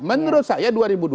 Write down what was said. menurut saya dua ribu dua puluh